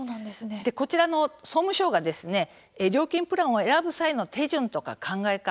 こちらの総務省が料金プランを選ぶ際の手順とか考え方